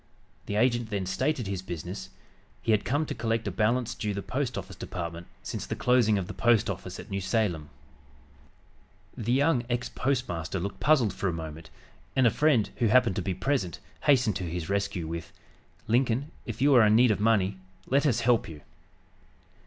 The agent then stated his business; he had come to collect a balance due the Post Office Department since the closing of the post office at New Salem. The young ex postmaster looked puzzled for a moment, and a friend, who happened to be present, hastened to his rescue with, "Lincoln, if you are in need of money, let us help you."